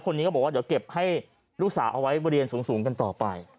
คนนี้ก็บอกว่าเดี๋ยวเก็บให้ลูกสาวเอาไว้เรียนสูงกันต่อไป